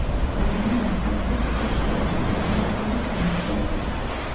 ამჟამად ასპარეზობს „სტოკ სიტიში“ თავდამსხმელის პოზიციაზე.